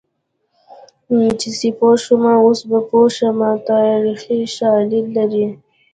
چې سیپو شومه اوس په پوه شومه تاریخي شالید لري